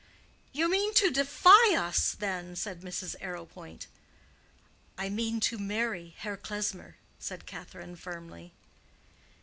"You mean to defy us, then?" said Mrs. Arrowpoint. "I mean to marry Herr Klesmer," said Catherine, firmly.